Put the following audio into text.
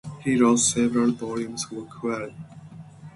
He wrote several volumes for Querido.